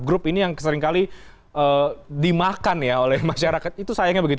grup ini yang seringkali dimakan ya oleh masyarakat itu sayangnya begitu